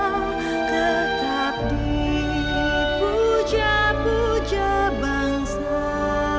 tetap dipuja puja bangsa